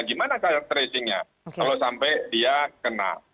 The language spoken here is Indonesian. gimana tracing nya kalau sampai dia kena